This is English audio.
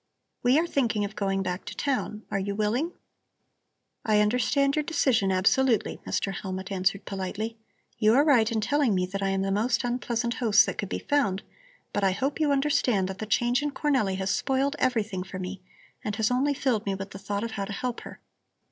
We are thinking of going back to town. Are you willing?" "I understand your decision absolutely," Mr. Hellmut answered politely. "You are right in telling me that I am the most unpleasant host that could be found, but I hope you understand that the change in Cornelli has spoiled everything for me and has only filled me with the thought of how to help her.